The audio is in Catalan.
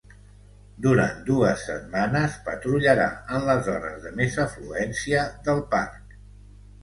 Durant dues setmanes patrullarà en les hores de més afluència del parc.